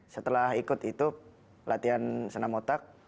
setelah ikut itu latihan senam otak